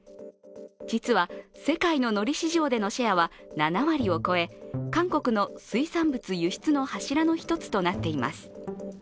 実は、世界ののり市場でのシェアは７割を超え韓国の水産物輸出の柱の１つとなっています。